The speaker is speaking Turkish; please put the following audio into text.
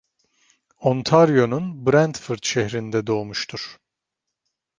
Ontario'nun Brantford şehrinde doğmuştur.